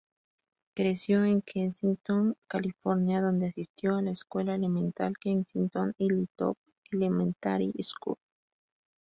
Creció en Kensington, California, donde asistió a la escuela elemental Kensington Hilltop Elementary School.